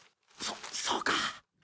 そそうか。